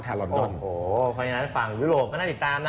ที่ลอนดอนเพราะงั้นฝั่งโยบาก็ติดตามนะ